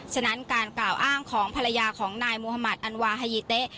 ฉะนั้นการกล่าวอ้างของภรรยาของนายมุธมัติอันวาฮยีเต๊ะ